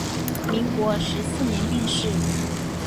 民国十四年病逝。